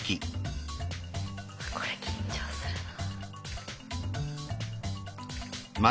これ緊張するな。